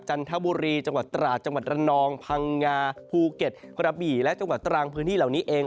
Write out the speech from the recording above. จันทบุรีจังหวัดตราดจังหวัดระนองพังงาภูเก็ตกระบี่และจังหวัดตรังพื้นที่เหล่านี้เอง